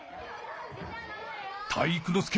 体育ノ介